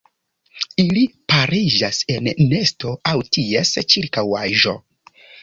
Ili pariĝas en nesto aŭ ties ĉirkaŭaĵo.